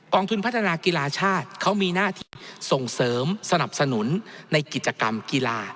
ทุนพัฒนากีฬาชาติเขามีหน้าที่ส่งเสริมสนับสนุนในกิจกรรมกีฬา